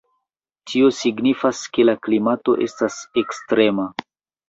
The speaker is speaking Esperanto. Tio signifas ke la klimato estas ekstrema.